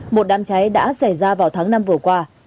một đám cháy đã xảy ra vào tháng năm vừa qua